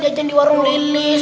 jajan di warung lilin